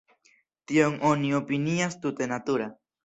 Tion oni opinias tute natura.